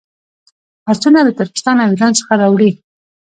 آسونه له ترکستان او ایران څخه راوړي.